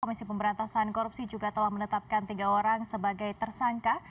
komisi pemberantasan korupsi juga telah menetapkan tiga orang sebagai tersangka